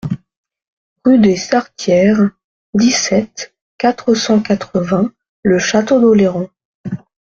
Rue des Sartières, dix-sept, quatre cent quatre-vingts Le Château-d'Oléron